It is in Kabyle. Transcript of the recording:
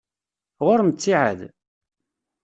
Ɣur-m ttiεad?